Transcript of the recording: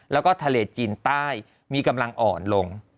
แล้วก็ทะเลจีนใต้มีกำลังอ่อนลง